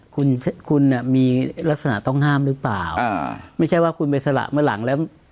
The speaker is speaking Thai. คุณคุณอ่ะมีลักษณะต้องห้ามหรือเปล่าอ่าไม่ใช่ว่าคุณไปสละเมื่อหลังแล้ว